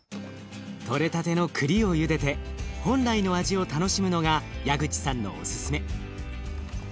とれたてのくりをゆでて本来の味を楽しむのが矢口さんのおすすめ。